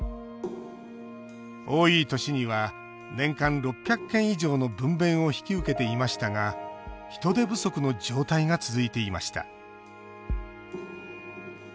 多い年には年間６００件以上の分べんを引き受けていましたが人手不足の状態が続いていました